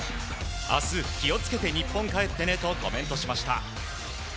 明日、気を付けて日本に帰ってねとコメントしました。